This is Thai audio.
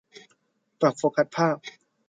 ปรับโฟกัสภาพ